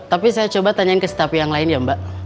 tapi saya coba tanyain ke staff yang lain ya mbak